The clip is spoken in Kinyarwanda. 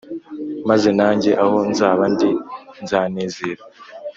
maze nange aho nzaba ndi nzanezerwa.